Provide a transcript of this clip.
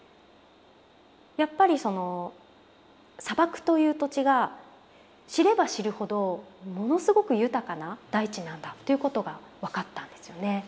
やっぱりその砂漠という土地が知れば知るほどものすごく豊かな大地なんだということが分かったんですよね。